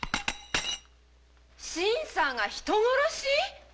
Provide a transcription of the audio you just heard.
新さんが人殺し！？